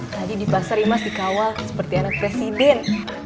tadi di pasar mas dikawal seperti anak presiden